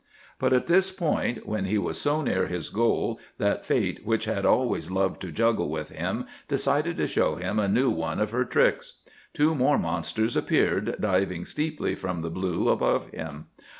But at this point, when he was so near his goal, that Fate which had always loved to juggle with him decided to show him a new one of her tricks. Two more monsters appeared, diving steeply from the blue above him.